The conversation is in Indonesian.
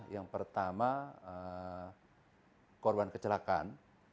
yang pertama korban kecelakaan